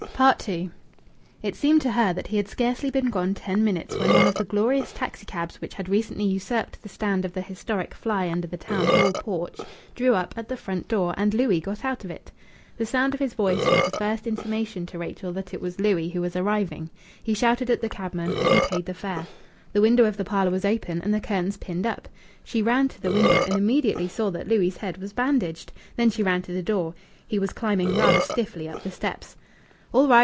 II It seemed to her that he had scarcely been gone ten minutes when one of the glorious taxicabs which had recently usurped the stand of the historic fly under the Town Hall porch drew up at the front door, and Louis got out of it. The sound of his voice was the first intimation to Rachel that it was Louis who was arriving. He shouted at the cabman as he paid the fare. The window of the parlour was open and the curtains pinned up. She ran to the window, and immediately saw that Louis' head was bandaged. Then she ran to the door. He was climbing rather stiffly up the steps. "All right!